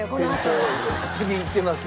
次いってます。